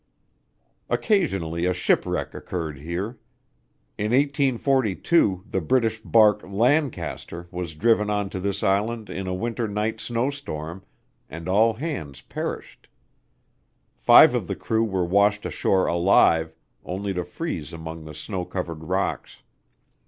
Occasionally a shipwreck occurred here. In 1842 the British barque Lancaster was driven on to this island in a winter night snowstorm, and all hands perished. Five of the crew were washed ashore alive, only to freeze among the snow covered rocks.